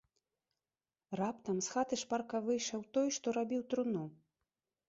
Раптам з хаты шпарка выйшаў той, што рабіў труну.